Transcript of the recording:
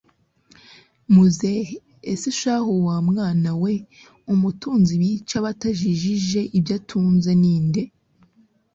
muzehe ese shahu wamwana we, umutunzi bica batamujijije ibyatunze ninde